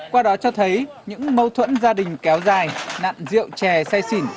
qua đó cho thấy những mâu thuẫn gia đình kéo dài nạn rượu chè say xỉn